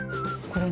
これ。